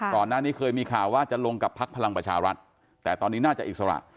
ก่อนหน้านี้เคยมีข่าวว่าจะลงกับพักพลังประชารัฐแต่ตอนนี้น่าจะอิสระ